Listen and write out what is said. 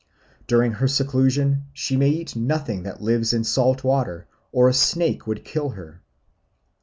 During her seclusion she may eat nothing that lives in salt water, or a snake would kill her.